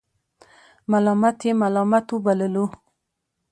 ملامت یې ملامت وبللو.